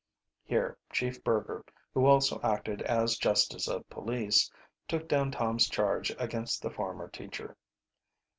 Here Chief Burger, who also acted as justice of police, took down Tom's charge against the former teacher.